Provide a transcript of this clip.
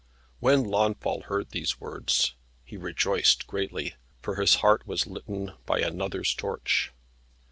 When Launfal heard these words he rejoiced greatly, for his heart was litten by another's torch.